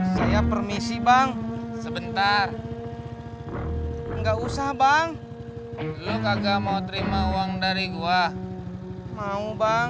saya permisi bang sebentar enggak usah bang lu kagak mau terima uang dari gua mau bang